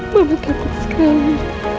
mama takut sekali